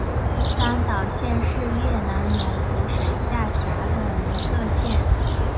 三岛县是越南永福省下辖的一个县。